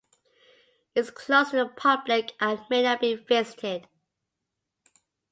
It is closed to the public and may not be visited.